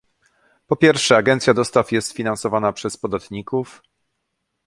Po pierwsze, Agencja Dostaw jest finansowana przez podatników